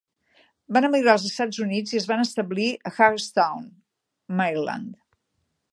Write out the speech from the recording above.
Van emigrar als Estats Units i es van establir en Hagerstown, Maryland.